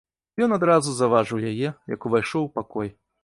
Ён адразу заўважыў яе, як увайшоў у пакой.